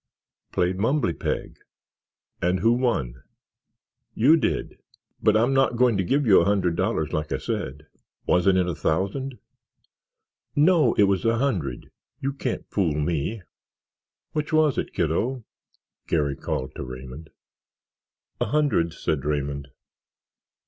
"Played mumbly peg." "And who won?" "You did—but I'm not going to give you a hundred dollars like I said." "Wasn't it a thousand?" "No, it was a hundred—you can't fool me." "Which was it, kiddo?" Garry called to Raymond. "A hundred," said Raymond.